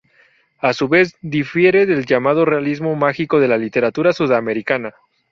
A su vez, difiere del llamado realismo mágico de la literatura sudamericana.